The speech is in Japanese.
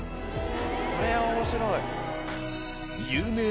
これは面白い。